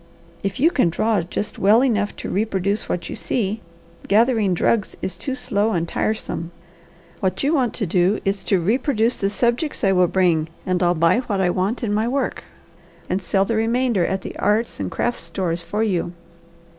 If you can draw just well enough to reproduce what you see, gathering drugs is too slow and tiresome. What you want to do is to reproduce the subjects I will bring, and I'll buy what I want in my work, and sell the remainder at the arts and crafts stores for you.